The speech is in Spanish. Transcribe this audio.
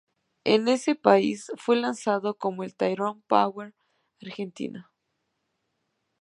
En ese país fue lanzado como el Tyrone Power argentino.